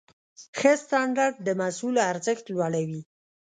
ښه سټنډرډ د محصول ارزښت لوړوي.